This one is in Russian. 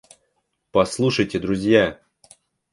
Послушайте, друзья!